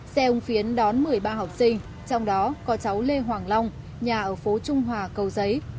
xe ông phiến đón một mươi ba học sinh trong đó có cháu lê hoàng long nhà ở phố trung hòa cầu giấy